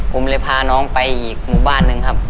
ผมเลยพาน้องไปอีกหมู่บ้านหนึ่งครับ